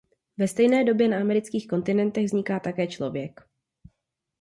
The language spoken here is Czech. Ve stejné době na amerických kontinentech vzniká také člověk.